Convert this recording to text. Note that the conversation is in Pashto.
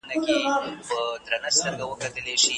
ماشوم بې پاملرنې نه پاته کېږي.